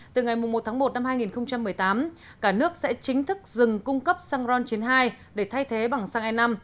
từ ngày một tháng một năm hai nghìn một mươi tám cả nước sẽ chính thức dừng cung cấp xăng ron chín mươi hai để thay thế bằng xăng e năm